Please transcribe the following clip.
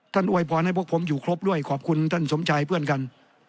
อวยพรให้พวกผมอยู่ครบด้วยขอบคุณท่านสมชายเพื่อนกัน